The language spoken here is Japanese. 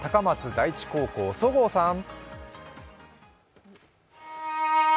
第一高校、十河さん。